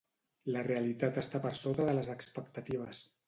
La realitat està per sota de les expectatives.